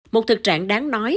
một thực trạng đáng nói